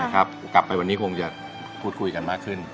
กลับไปวันนี้คงจะพูดคุยกันมากขึ้น